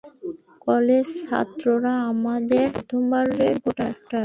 কলেজের ছাত্ররা আমাদের প্রথমবারের ভোটার।